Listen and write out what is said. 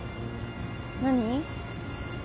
何？